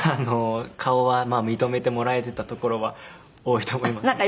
顔は認めてもらえていたところは多いと思いますね。